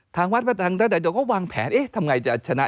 ทางวัฒน์ทางรัฐจัยก็วางแผนเอ๊ะทำไงจะชนะ